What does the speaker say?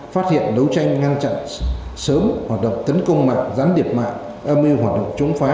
phát hiện đấu tranh ngăn chặn sớm hoạt động tấn công mạng gián điệp mạng âm mưu hoạt động chống phá